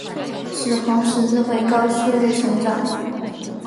使红十字会高速率成长。